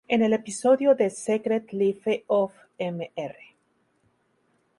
En el episodio "The Secret Life of Mr.